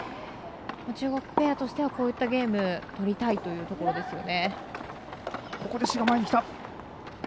中国ペアとしてはこういったゲーム取りたいというところですよね。